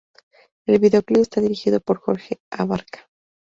El videoclip está dirigido por Jorge Abarca.